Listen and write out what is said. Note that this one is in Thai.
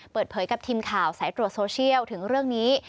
เปิดเผยกับทีมข่าวสายตรวจโซเชียลถึงเรื่องนี้